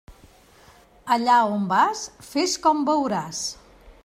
Allà on vas, fes com veuràs.